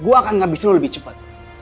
gue akan ngabisin lo lebih cepet